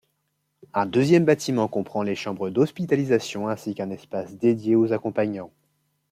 Un deuxième bâtiment comprend les chambres d'hospitalisation ainsi qu'un espace dédié aux accompagnants.